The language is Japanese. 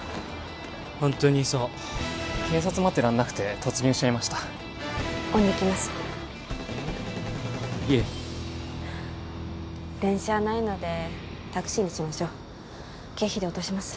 ホントにそう警察待ってらんなくて突入しちゃいました恩に着ますいえ電車ないのでタクシーにしましょう経費で落とします